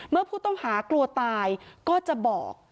เมื่อผู้ต้องหากลัวตายก็จะบอก